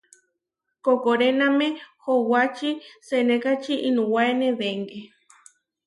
Koʼkoréname howačí senékači inuwáene dengé.